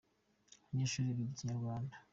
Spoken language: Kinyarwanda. abanyeshuri biga ikinyarwanda